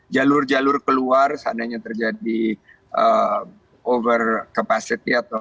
jalur jalur keluar seandainya terjadi over capacity atau